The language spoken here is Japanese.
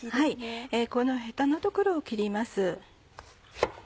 このヘタの所を切ります。